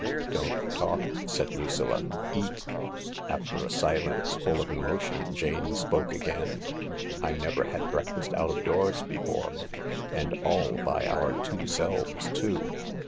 "Don't talk," said Lucilla; "eat." After a silence full of emotion Jane spoke again. " I never had breakfast out of doors before — and all by our two selves, too.